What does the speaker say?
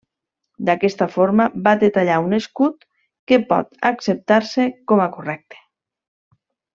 D'aquesta forma va detallar un escut que pot acceptar-se com a correcte.